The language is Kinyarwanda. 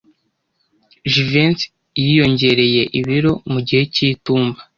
Jivency yiyongereye ibiro mu gihe cy'itumba.